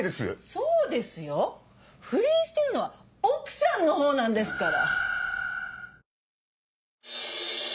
そうですよ不倫してるのは奥さんのほうなんですから。